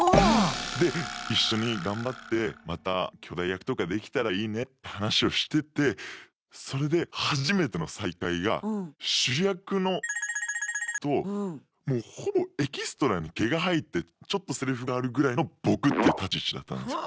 で一緒に頑張ってまた兄弟役とかできたらいいねって話をしててそれで初めての再会が主役のともうほぼエキストラに毛が生えてちょっとセリフがあるぐらいの僕って立ち位置だったんですよ。